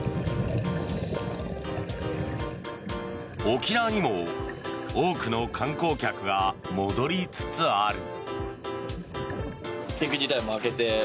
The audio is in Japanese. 沖縄にも多くの観光客が戻りつつある。